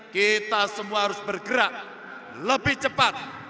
kita semua harus bergerak lebih cepat